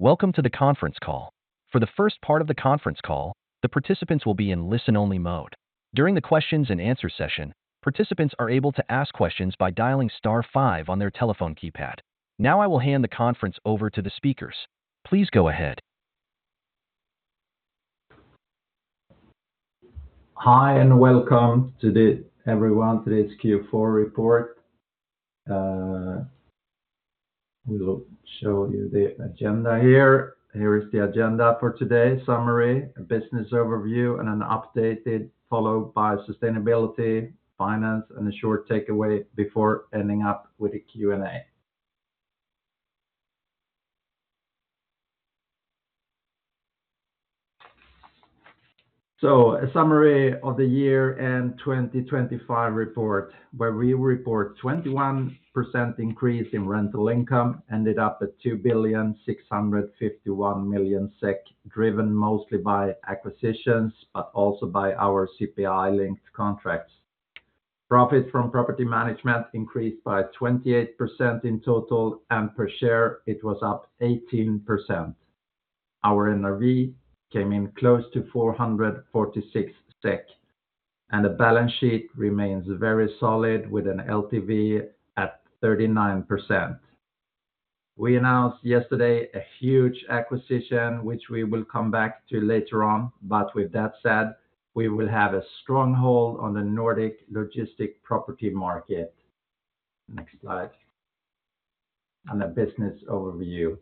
Welcome to the conference call. For the first part of the conference call, the participants will be in listen-only mode. During the questions and answer session, participants are able to ask questions by dialing star five on their telephone keypad. Now, I will hand the conference over to the speakers. Please go ahead. Hi, and welcome to everyone, today's Q4 report. We'll show you the agenda here. Here is the agenda for today: summary, a business overview, and an updated followed by sustainability, finance, and a short takeaway before ending up with a Q&A. A summary of the year and 2025 report, where we report a 21% increase in rental income, ended up at 2,651 million SEK, driven mostly by acquisitions, but also by our CPI-linked contracts. Profit from property management increased by 28% in total, and per share, it was up 18%. Our NRV came in close to 446 SEK, and the balance sheet remains very solid, with an LTV at 39%. We announced yesterday a huge acquisition, which we will come back to later on, but with that said, we will have a stronghold on the Nordic logistic property market. Next slide. A business overview.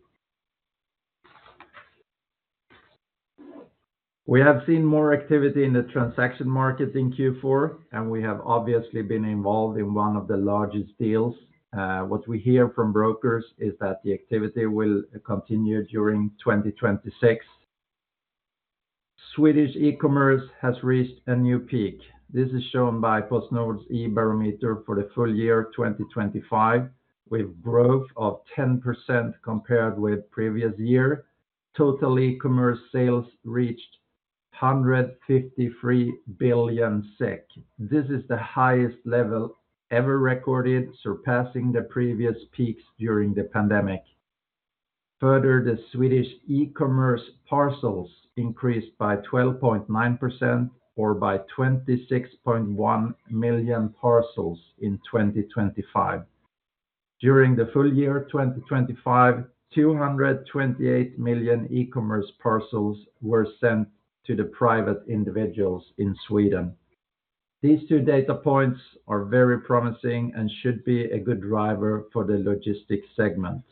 We have seen more activity in the transaction market in Q4, and we have obviously been involved in one of the largest deals. What we hear from brokers is that the activity will continue during 2026. Swedish e-commerce has reached a new peak. This is shown by PostNord's E-barometern for the full year 2025, with growth of 10% compared with previous year. Total e-commerce sales reached 153 billion SEK. This is the highest level ever recorded, surpassing the previous peaks during the pandemic. Further, the Swedish e-commerce parcels increased by 12.9% or by 26.1 million parcels in 2025. During the full year 2025, 228 million e-commerce parcels were sent to the private individuals in Sweden. These two data points are very promising and should be a good driver for the logistics segment.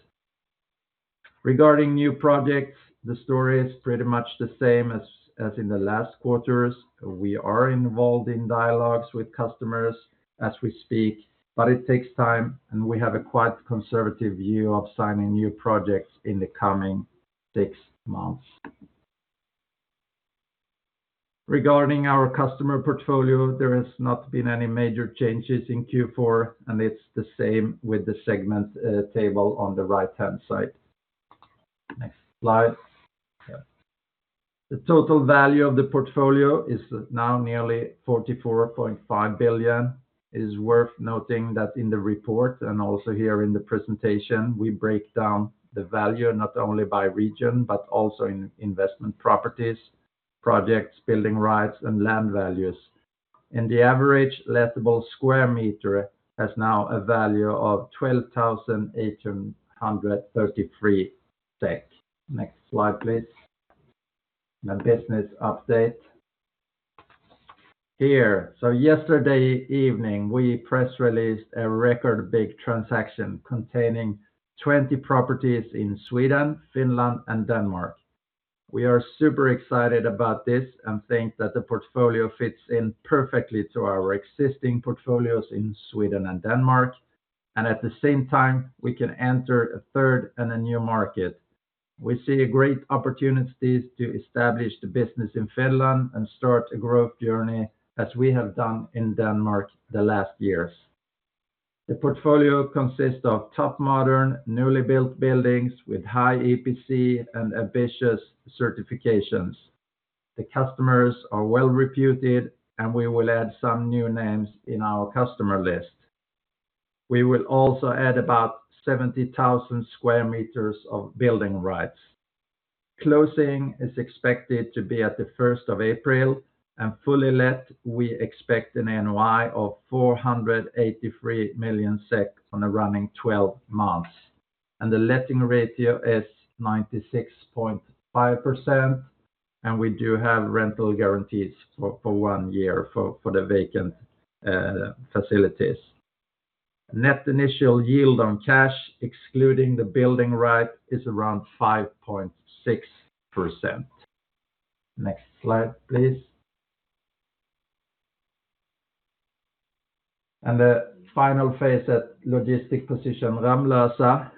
Regarding new projects, the story is pretty much the same as in the last quarters. We are involved in dialogues with customers as we speak, but it takes time, and we have a quite conservative view of signing new projects in the coming 6 months. Regarding our customer portfolio, there has not been any major changes in Q4, and it's the same with the segment table on the right-hand side. Next slide. The total value of the portfolio is now nearly 44.5 billion. It is worth noting that in the report, and also here in the presentation, we break down the value not only by region, but also in investment properties, projects, building rights, and land values. The average lettable square meter has now a value of 12,833 SEK. Next slide, please. The business update. Yesterday evening, we press released a record big transaction containing 20 properties in Sweden, Finland, and Denmark. We are super excited about this and think that the portfolio fits in perfectly to our existing portfolios in Sweden and Denmark, and at the same time, we can enter a third and a new market. We see great opportunities to establish the business in Finland and start a growth journey, as we have done in Denmark the last years. The portfolio consists of top modern, newly built buildings with high EPC and ambitious certifications. The customers are well reputed, and we will add some new names in our customer list. We will also add about 70,000 square meters of building rights. Closing is expected to be at the first of April, and fully let, we expect an NOI of 483 million SEK on a running twelve months, and the letting ratio is 96.5%, and we do have rental guarantees for one year for the vacant facilities. Net initial yield on cash, excluding the building right, is around 5.6%. Next slide, please. The final phase at Logistikposition Ramlösa,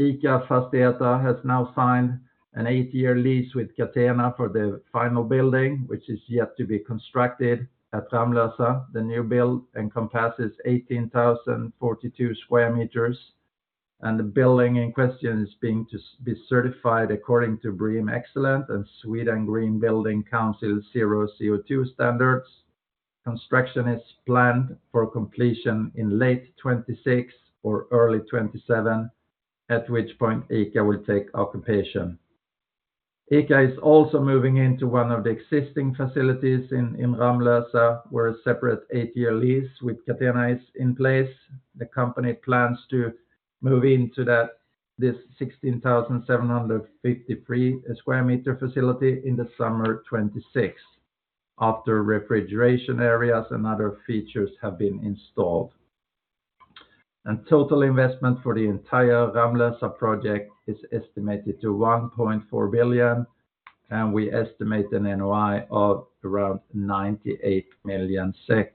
ICA Fastigheter has now signed an 8-year lease with Catena for the final building, which is yet to be constructed at Ramlösa. The new build encompasses 18,042 sq m, and the building in question is being certified according to BREEAM Excellent and Sweden Green Building Council NollCO2 standards. Construction is planned for completion in late 2026 or early 2027, at which point ICA will take occupation. ICA is also moving into one of the existing facilities in Ramlösa, where a separate eight-year lease with Catena is in place. The company plans to move into this 16,753 sq m facility in the summer of 2026, after refrigeration areas and other features have been installed. Total investment for the entire Ramlösa project is estimated to 1.4 billion, and we estimate an NOI of around 98 million SEK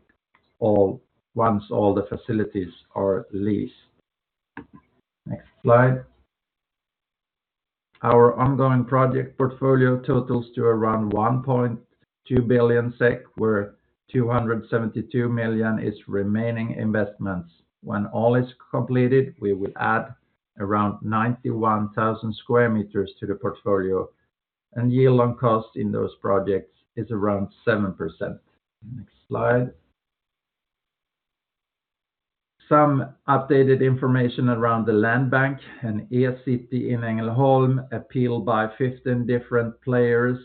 once all the facilities are leased. Next slide. Our ongoing project portfolio totals to around 1.2 billion SEK, where 272 million is remaining investments. When all is completed, we will add around 91,000 square meters to the portfolio, and yield on cost in those projects is around 7%. Next slide. Some updated information around the land bank and E-City in Ängelholm, appealed by 15 different players,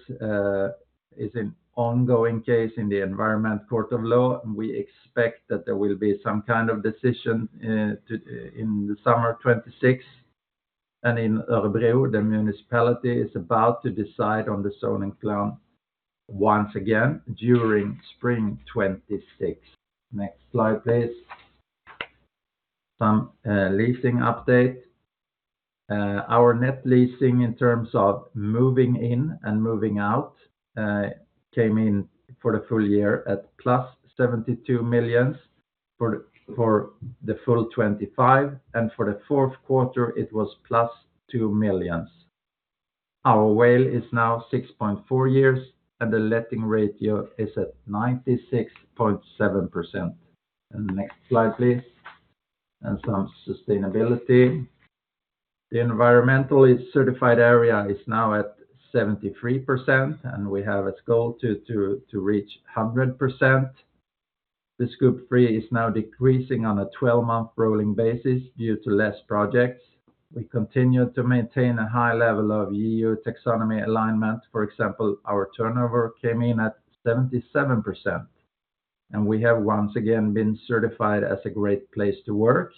is an ongoing case in the Land and Environment Court, and we expect that there will be some kind of decision in the summer of 2026. And in Örebro, the municipality is about to decide on the zoning plan once again during spring 2026. Next slide, please. Some leasing update. Our net leasing in terms of moving in and moving out came in for the full year at +72 million for the full 25, and for the fourth quarter, it was +2 million. Our WALE is now 6.4 years, and the letting ratio is at 96.7%. Next slide, please. Some sustainability. The environmentally certified area is now at 73%, and we have its goal to reach 100%. The Scope 3 is now decreasing on a 12-month rolling basis due to less projects. We continue to maintain a high level of EU Taxonomy alignment. For example, our turnover came in at 77%, and we have once again been certified as a Great Place to Work.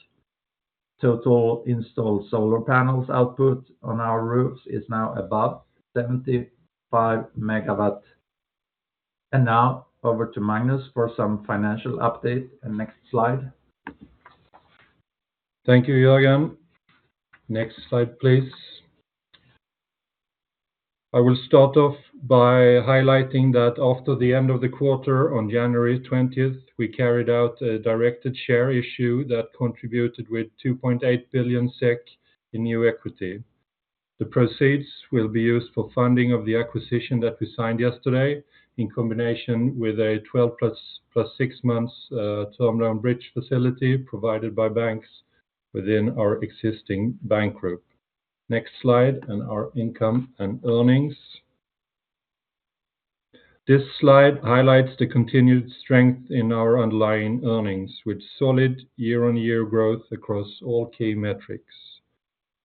Total installed solar panels output on our roofs is now above 75 MW. Now, over to Magnus for some financial update. Next slide. Thank you, Jörgen. Next slide, please. I will start off by highlighting that after the end of the quarter on January twentieth, we carried out a directed share issue that contributed with 2.8 billion SEK in new equity. The proceeds will be used for funding of the acquisition that we signed yesterday, in combination with a 12+, +6 months term loan bridge facility provided by banks within our existing bank group. Next slide, and our income and earnings. This slide highlights the continued strength in our underlying earnings, with solid year-on-year growth across all key metrics.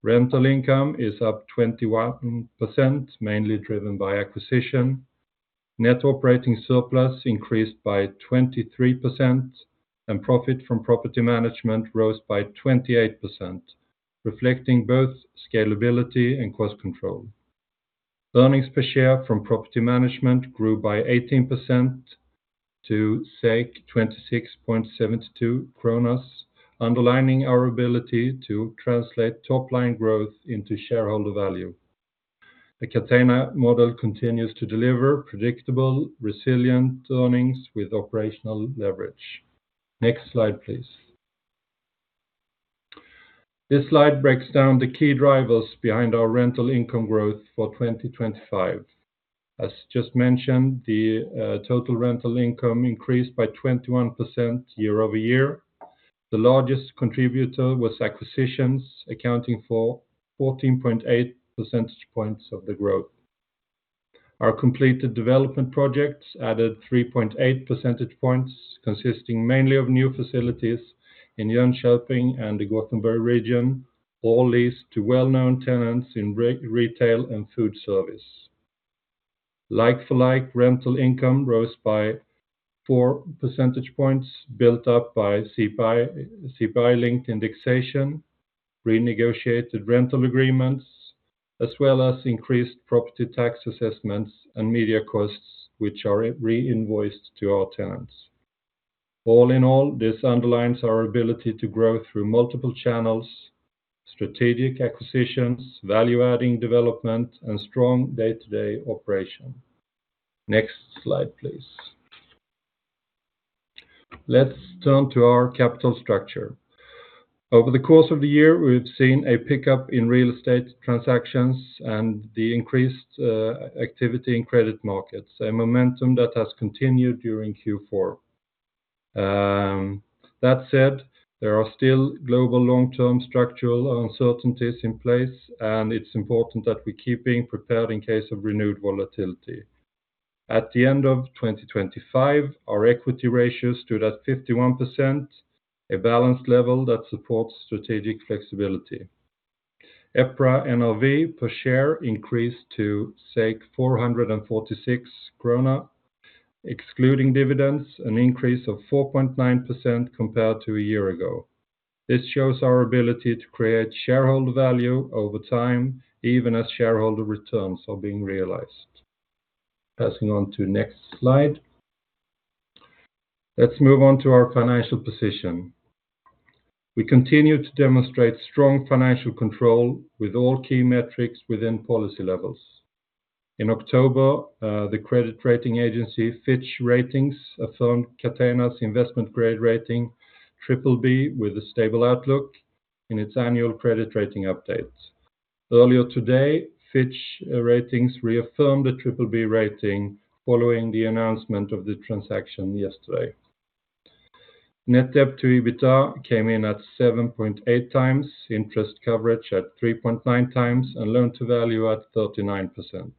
Rental income is up 21%, mainly driven by acquisition. Net operating surplus increased by 23%, and profit from property management rose by 28%, reflecting both scalability and cost control. Earnings per share from property management grew by 18% to 26.72 kronas, underlining our ability to translate top-line growth into shareholder value. The Catena model continues to deliver predictable, resilient earnings with operational leverage. Next slide, please. This slide breaks down the key drivers behind our rental income growth for 2025. As just mentioned, the total rental income increased by 21% year-over-year. The largest contributor was acquisitions, accounting for 14.8 percentage points of the growth. Our completed development projects added 3.8 percentage points, consisting mainly of new facilities in Jönköping and the Gothenburg region, all leased to well-known tenants in retail and food service. Like for like, rental income rose by 4 percentage points, built up by CPI, CPI-linked indexation, renegotiated rental agreements, as well as increased property tax assessments and media costs, which are reinvoiced to our tenants. All in all, this underlines our ability to grow through multiple channels, strategic acquisitions, value-adding development, and strong day-to-day operation. Next slide, please. Let's turn to our capital structure. Over the course of the year, we've seen a pickup in real estate transactions and the increased activity in credit markets, a momentum that has continued during Q4. That said, there are still global long-term structural uncertainties in place, and it's important that we keep being prepared in case of renewed volatility. At the end of 2025, our equity ratio stood at 51%, a balanced level that supports strategic flexibility. EPRA NAV per share increased to 446 krona, excluding dividends, an increase of 4.9% compared to a year ago. This shows our ability to create shareholder value over time, even as shareholder returns are being realized. Passing on to next slide. Let's move on to our financial position. We continue to demonstrate strong financial control with all key metrics within policy levels. In October, the credit rating agency, Fitch Ratings, affirmed Catena's investment grade rating BBB, with a stable outlook in its annual credit rating updates. Earlier today, Fitch Ratings reaffirmed the BBB rating following the announcement of the transaction yesterday. Net debt to EBITDA came in at 7.8 times, interest coverage at 3.9 times, and loan to value at 39%.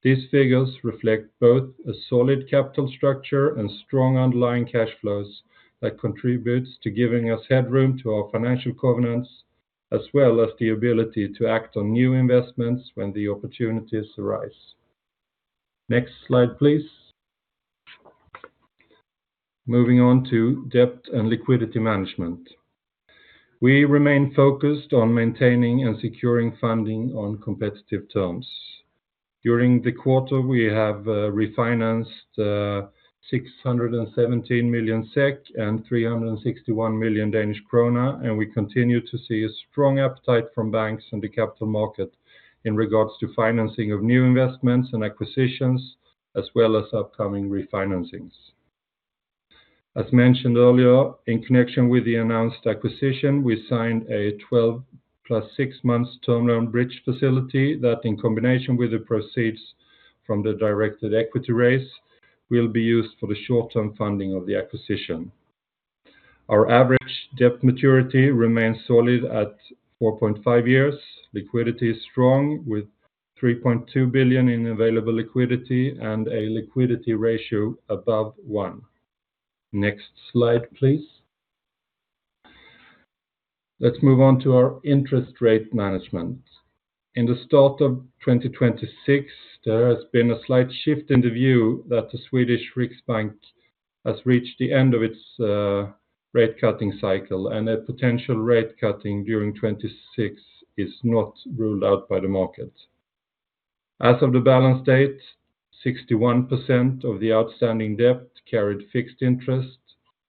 These figures reflect both a solid capital structure and strong underlying cash flows that contributes to giving us headroom to our financial covenants, as well as the ability to act on new investments when the opportunities arise. Next slide, please. Moving on to debt and liquidity management. We remain focused on maintaining and securing funding on competitive terms. During the quarter, we have refinanced 617 million SEK and 361 million Danish krone, and we continue to see a strong appetite from banks in the capital market in regards to financing of new investments and acquisitions, as well as upcoming refinancings. As mentioned earlier, in connection with the announced acquisition, we signed a 12 + 6 months term loan bridge facility that, in combination with the proceeds from the directed equity raise, will be used for the short-term funding of the acquisition. Our average debt maturity remains solid at 4.5 years. Liquidity is strong, with 3.2 billion in available liquidity and a liquidity ratio above 1. Next slide, please. Let's move on to our interest rate management. In the start of 2026, there has been a slight shift in the view that the Swedish Riksbank has reached the end of its rate-cutting cycle, and a potential rate cutting during 2026 is not ruled out by the market. As of the balance date, 61% of the outstanding debt carried fixed interest,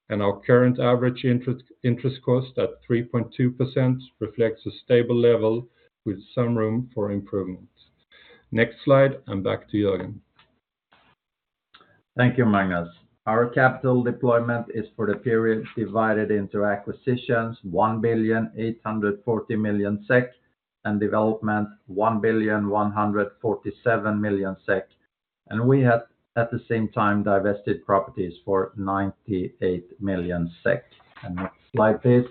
and our current average interest, interest cost at 3.2%, reflects a stable level with some room for improvement. Next slide, and back to Jörgen. Thank you, Magnus. Our capital deployment is for the period divided into acquisitions, 1,840 million SEK, and development, 1,147 million SEK, and we have, at the same time, divested properties for 98 million SEK. Next slide, please.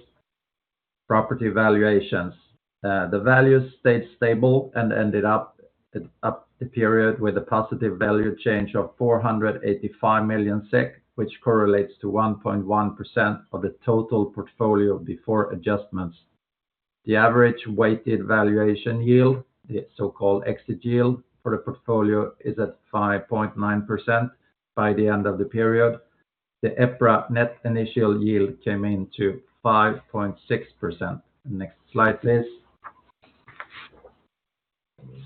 Property valuations. The values stayed stable and ended up, up the period with a positive value change of 485 million SEK, which correlates to 1.1% of the total portfolio before adjustments. The average weighted valuation yield, the so-called exit yield, for the portfolio is at 5.9% by the end of the period. The EPRA net initial yield came in to 5.6%. Next slide, please.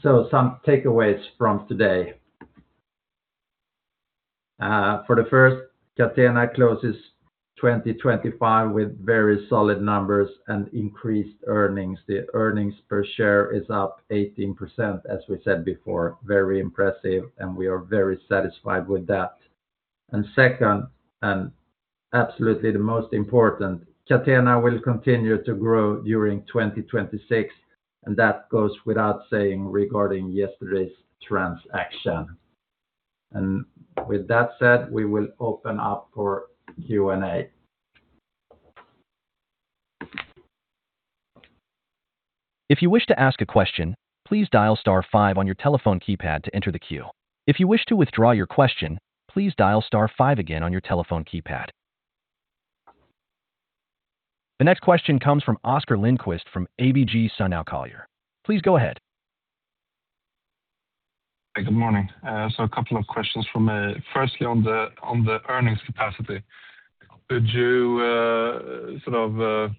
Some takeaways from today. For the first, Catena closes 2025 with very solid numbers and increased earnings. The earnings per share is up 18%, as we said before, very impressive, and we are very satisfied with that. And second, and absolutely the most important, Catena will continue to grow during 2026, and that goes without saying regarding yesterday's transaction. And with that said, we will open up for Q&A. If you wish to ask a question, please dial star five on your telephone keypad to enter the queue. If you wish to withdraw your question, please dial star five again on your telephone keypad. The next question comes from Oscar Lindquist from ABG Sundal Collier. Please go ahead. Good morning. So a couple of questions from me. Firstly, on the earnings capacity, could you sort of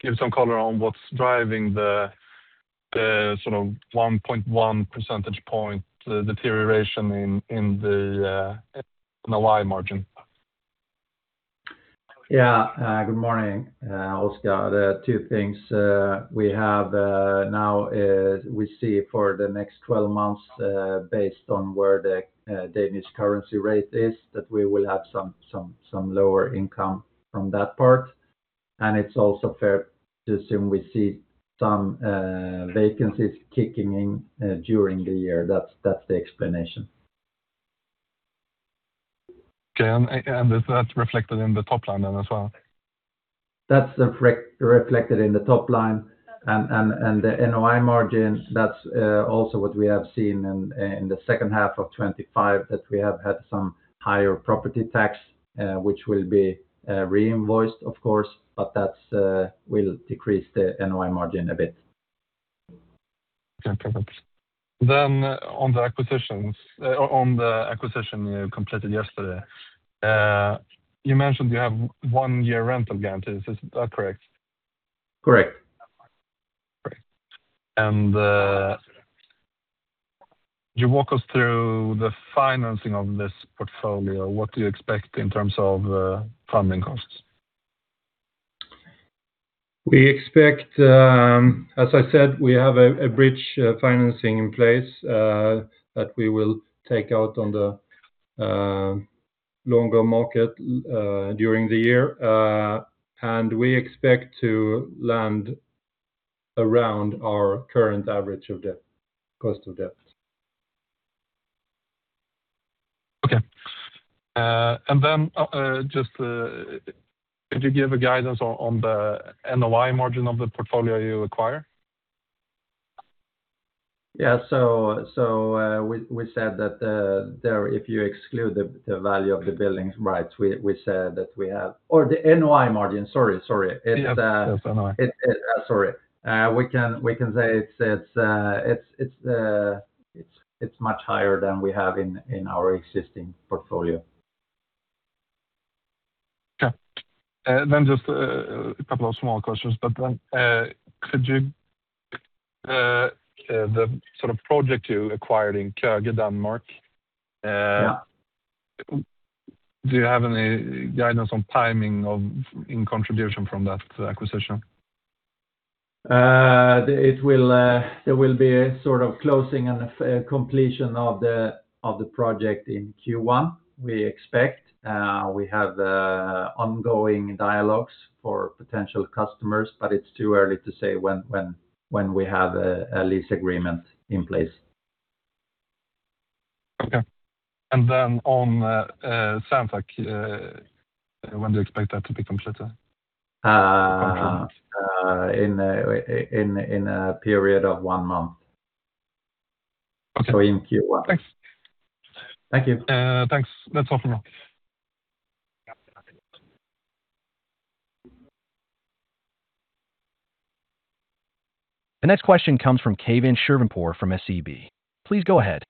give some color on what's driving the sort of 1.1 percentage point deterioration in the NOI margin? Yeah, good morning, Oscar. There are two things we have. Now is we see for the next 12 months, based on where the Danish currency rate is, that we will have some lower income from that part... and it's also fair to assume we see some vacancies kicking in during the year. That's the explanation. Okay. And is that reflected in the top line then as well? That's reflected in the top line and the NOI margin. That's also what we have seen in the second half of 2025, that we have had some higher property tax, which will be reinvoiced, of course, but that will decrease the NOI margin a bit. Okay. Then on the acquisitions, on the acquisition you completed yesterday. You mentioned you have one year rental guarantee. Is that correct? Correct. Great. Can you walk us through the financing of this portfolio? What do you expect in terms of funding costs? We expect. As I said, we have a bridge financing in place that we will take out on the longer market during the year. And we expect to land around our current average of debt, cost of debt. Okay. And then, just, could you give a guidance on the NOI margin of the portfolio you acquire? Yeah. So, we said that, there, if you exclude the value of the buildings, right, we said that we have— Or the NOI margin. Sorry. It's— Yeah, it's NOI. Sorry. We can say it's much higher than we have in our existing portfolio. Okay. Then just a couple of small questions. But could you the sort of project you acquired in Køge, Denmark- Yeah. Do you have any guidance on timing of, in contribution from that acquisition? It will be a sort of closing and a completion of the project in Q1, we expect. We have ongoing dialogues for potential customers, but it's too early to say when we have a lease agreement in place. Okay. And then on Sanda, when do you expect that to be completed? In a period of one month. Okay. In Q1. Thanks. Thank you. Thanks. That's all from me. The next question comes from Keivan Shirvanpour from SEB. Please go ahead.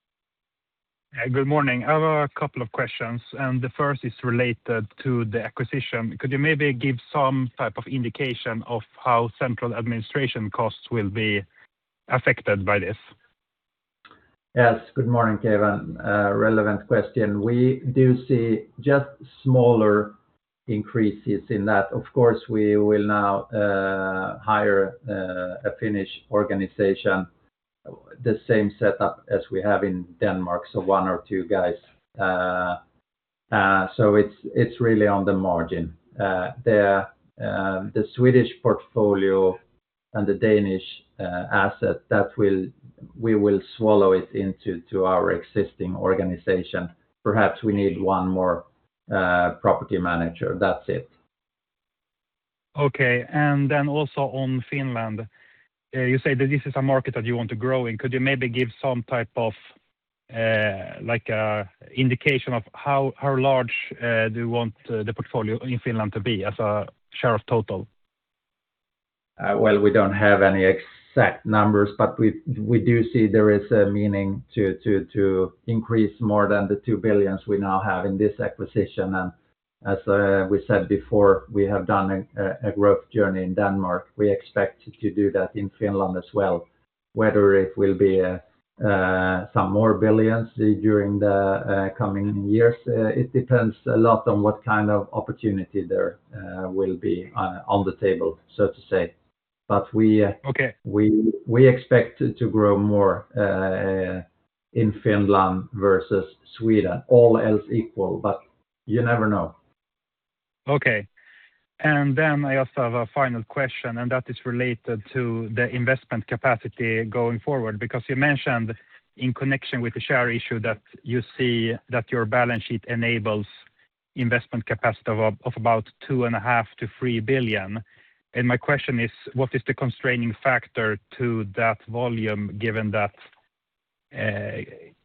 Good morning. I have a couple of questions, and the first is related to the acquisition. Could you maybe give some type of indication of how central administration costs will be affected by this? Yes. Good morning, Keivan. Relevant question. We do see just smaller increases in that. Of course, we will now hire a Finnish organization, the same setup as we have in Denmark, so one or two guys. So it's really on the margin. The Swedish portfolio and the Danish asset, that will—we will swallow it into our existing organization. Perhaps we need one more property manager. That's it. Okay. And then also on Finland, you say that this is a market that you want to grow in. Could you maybe give some type of, like, indication of how large do you want the portfolio in Finland to be as a share of total? Well, we don't have any exact numbers, but we do see there is a meaning to increase more than the 2 billion we now have in this acquisition. As we said before, we have done a growth journey in Denmark. We expect to do that in Finland as well. Whether it will be some more billions during the coming years, it depends a lot on what kind of opportunity there will be on the table, so to say. But we- Okay We, we expect to grow more in Finland versus Sweden, all else equal, but you never know. Okay. I also have a final question, and that is related to the investment capacity going forward, because you mentioned in connection with the share issue that you see that your balance sheet enables investment capacity of about 2.5 billion-3 billion. My question is: What is the constraining factor to that volume, given that,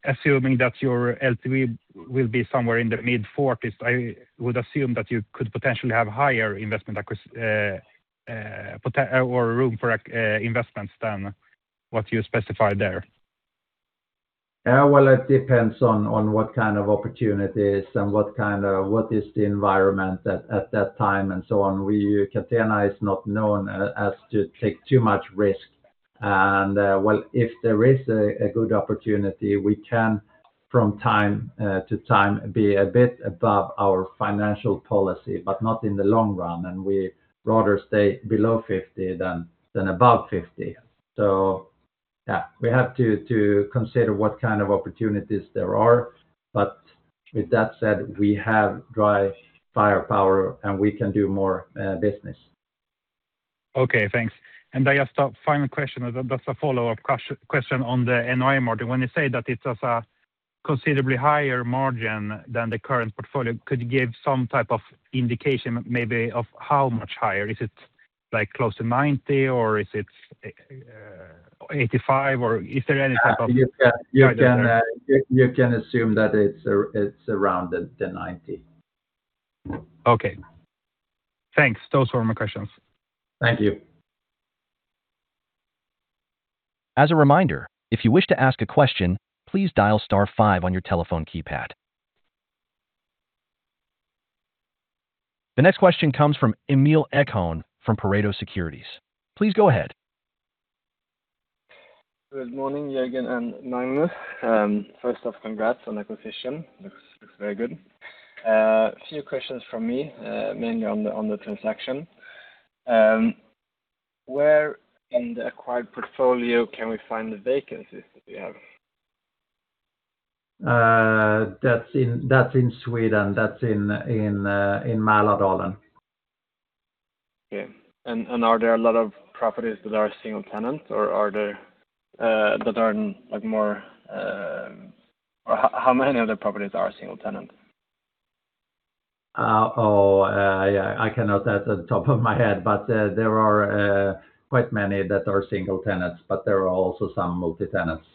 assuming that your LTV will be somewhere in the mid-40s, I would assume that you could potentially have higher investment capacity or room for investments than what you specified there. Well, it depends on what kind of opportunities and what kind of—what is the environment at that time and so on. We, Catena is not known as to take too much risk. Well, if there is a good opportunity, we can, from time to time, be a bit above our financial policy, but not in the long run, and we rather stay below 50 than above 50. So, yeah, we have to consider what kind of opportunities there are. But with that said, we have dry powder, and we can do more business. Okay, thanks. And I just, final question, just a follow-up question on the NOI margin. When you say that it has a considerably higher margin than the current portfolio, could you give some type of indication, maybe of how much higher? Is it, like, close to 90%, or is it, eighty-five, or is there any type of- You can assume that it's around the 90. Okay. Thanks. Those were my questions. Thank you. As a reminder, if you wish to ask a question, please dial star five on your telephone keypad. The next question comes from Emil Ekholm from Pareto Securities. Please go ahead. Good morning, Jörgen and Magnus. First off, congrats on acquisition. Looks, looks very good. A few questions from me, mainly on the, on the transaction. Where in the acquired portfolio can we find the vacancies that you have? That's in Sweden, in Mälardalen. Okay. And are there a lot of properties that are single tenant or are there that are like more... Or how many of the properties are single tenant? I cannot say at the top of my head, but there are quite many that are single tenants, but there are also some multi-tenants.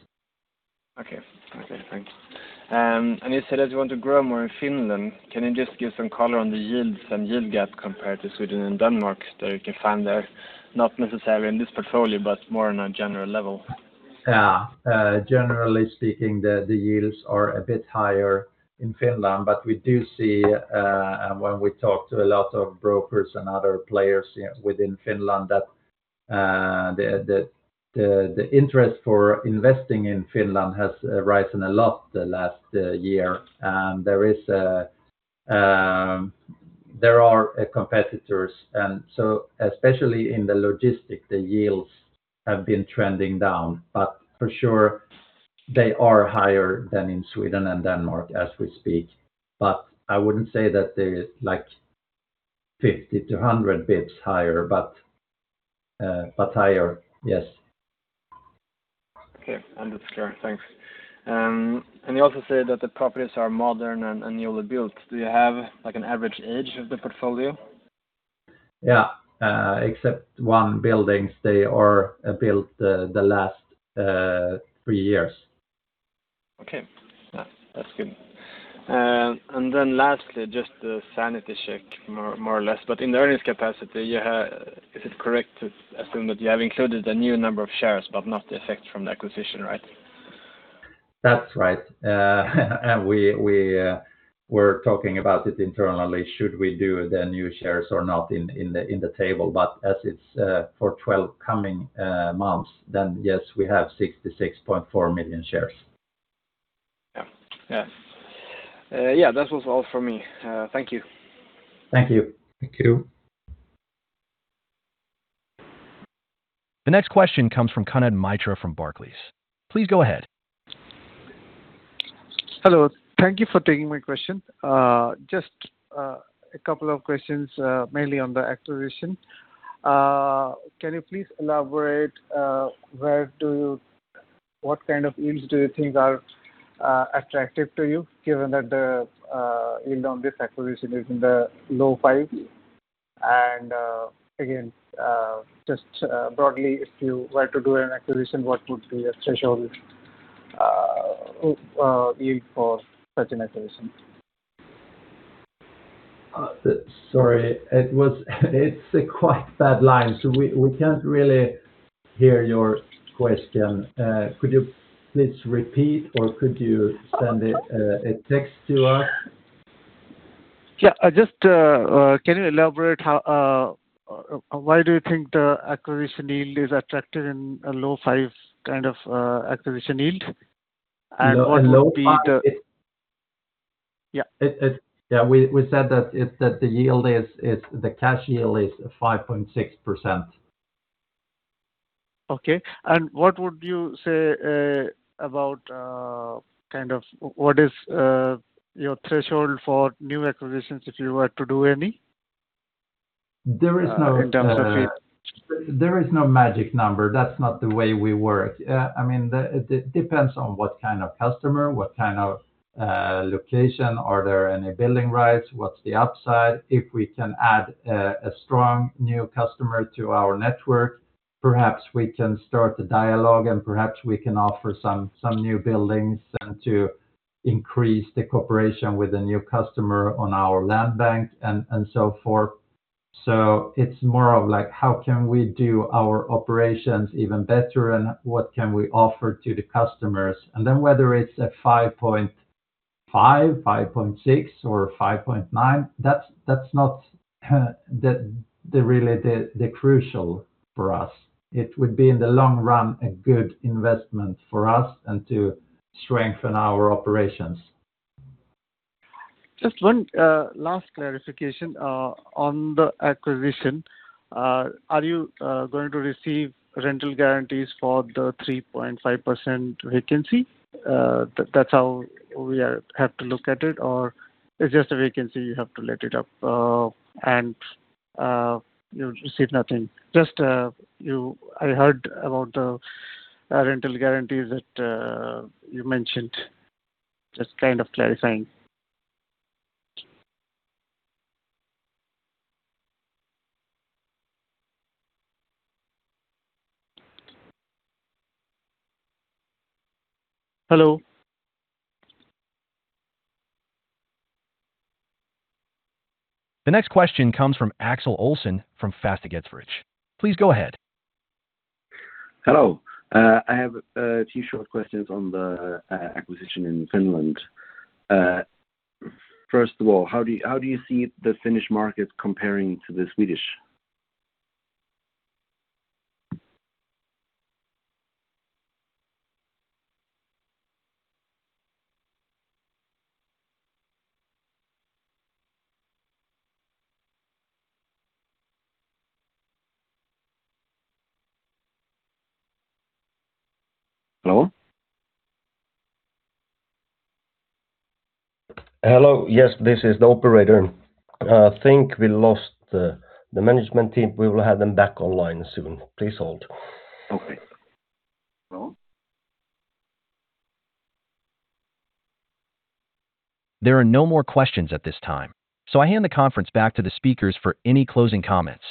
Okay. Okay, thanks. You said that you want to grow more in Finland. Can you just give some color on the yields and yield gap compared to Sweden and Denmark that you can find there? Not necessarily in this portfolio, but more on a general level. Yeah. Generally speaking, the yields are a bit higher in Finland, but we do see when we talk to a lot of brokers and other players within Finland that the interest for investing in Finland has risen a lot the last year. And there are competitors, and so especially in the logistic, the yields have been trending down, but for sure, they are higher than in Sweden and Denmark as we speak. But I wouldn't say that there is, like, 50-100 pips higher, but higher, yes. Okay. Understood. Thanks. And you also said that the properties are modern and newly built. Do you have, like, an average age of the portfolio? Yeah. Except one building, they are built the last three years. Okay. Yeah, that's good. And then lastly, just a sanity check, more or less, but in the earnings capacity, you have. Is it correct to assume that you have included the new number of shares but not the effect from the acquisition, right? That's right. And we, we're talking about it internally. Should we do the new shares or not in the table? But as it's for 12 coming months, then, yes, we have 66.4 million shares. Yeah. Yeah. Yeah, that was all for me. Thank you. Thank you. Thank you. The next question comes from Kunal Mitra from Barclays. Please go ahead. Hello. Thank you for taking my question. Just a couple of questions, mainly on the acquisition. Can you please elaborate, where do you-- what kind of yields do you think are attractive to you, given that the yield on this acquisition is in the low 5? And again, just broadly, if you were to do an acquisition, what would be a threshold yield for such an acquisition? Sorry, it's a quite bad line, so we can't really hear your question. Could you please repeat or could you send it a text to us? Yeah, just, can you elaborate how... Why do you think the acquisition yield is attractive in a low five kind of acquisition yield? And what would be the- Yeah, a low five. Yeah. It, it, yeah, we, we said that it, that the yield is, is the cash yield is 5.6%. Okay. And what would you say about kind of what is your threshold for new acquisitions, if you were to do any? There is no- In terms of- There is no magic number. That's not the way we work. I mean, it depends on what kind of customer, what kind of location. Are there any building rights? What's the upside? If we can add a strong new customer to our network, perhaps we can start a dialogue, and perhaps we can offer some new buildings and to increase the cooperation with the new customer on our land bank and so forth. So it's more of like, how can we do our operations even better? And what can we offer to the customers? And then whether it's a 5.5, 5.6, or 5.9, that's not really the crucial for us. It would be, in the long run, a good investment for us and to strengthen our operations. Just one last clarification on the acquisition. Are you going to receive rental guarantees for the 3.5% vacancy? That's how we have to look at it, or it's just a vacancy, you have to let it up, and you receive nothing. Just, I heard about the rental guarantee that you mentioned. Just kind of clarifying. Hello? The next question comes from Axel Ohlsson from Fastighetsvärlden. Please go ahead. Hello. I have two short questions on the acquisition in Finland. First of all, how do you see the Finnish market comparing to the Swedish? Hello? Hello, yes, this is the operator. I think we lost the management team. We will have them back online soon. Please hold. Okay. Hello? There are no more questions at this time, so I hand the conference back to the speakers for any closing comments.